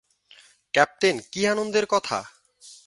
Captain, কী আনন্দের কথা!